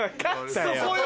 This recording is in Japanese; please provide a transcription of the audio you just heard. そこよ！